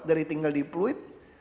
dari tinggal di pluit